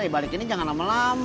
ya balikin ini jangan lama lama